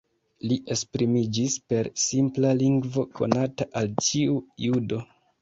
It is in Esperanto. Li esprimiĝis per simpla lingvo, konata al ĉiu judo.